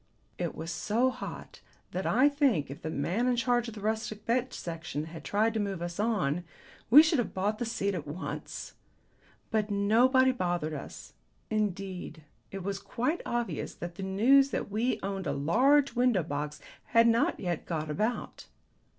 It was so hot that I think, if the man in charge of the Rustic Bench Section had tried to move us on, we should have bought the seat at once. But nobody bothered us. Indeed it was quite obvious that the news that we owned a large window box had not yet got about.